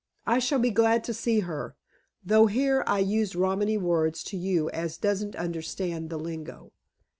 "I shall be glad to see her, though here I use Romany words to you as doesn't understand the lingo."